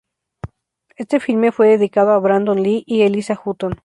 Este filme fue dedicado a Brandon Lee y Eliza Hutton.